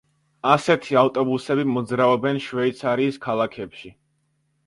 ასეთი ავტობუსები მოძრაობენ შვეიცარიის ქალაქებში.